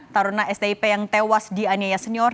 tarunah stip yang tewas di aniaya senior